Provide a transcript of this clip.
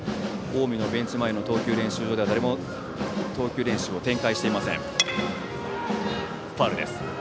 近江のベンチ前の投球練習場では誰も投球練習を展開していません。